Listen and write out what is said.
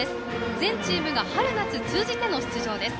全チームが春夏通じての出場です。